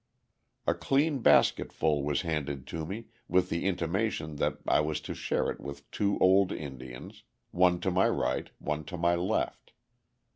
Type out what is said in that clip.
A clean basketful was handed to me, with the intimation that I was to share it with two old Indians, one on my right, one on my left.